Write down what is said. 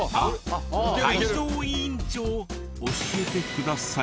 泰造委員長教えてください。